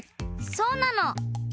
そうなの。